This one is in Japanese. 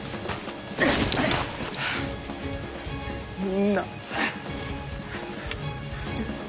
みんな。